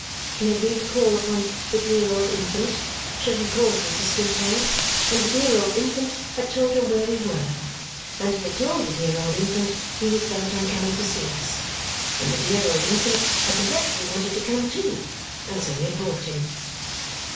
He had been to call upon the dear old infant so he called Mr. Skimpole and the dear old infant had told him where we were, and he had told the dear old infant he was bent on coming to see us, and the dear old infant had directly wanted to come too; and so he had brought him.